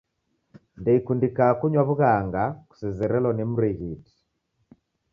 Ndeikundika kunywa w'ughanga kusezerelo ni mrighiti.